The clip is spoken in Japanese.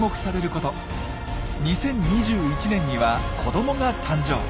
２０２１年には子どもが誕生。